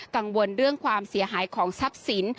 กังวลเรื่องความเสียหายของทรัพย์สิน